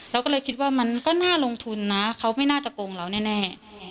เราก็เลยคิดว่ามันก็น่าลงทุนนะเขาไม่น่าจะโกงเราแน่